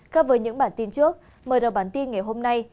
các với những bản tin trước mời đầu bản tin ngày hôm nay